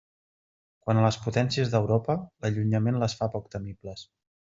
Quant a les potències d'Europa, l'allunyament les fa poc temibles.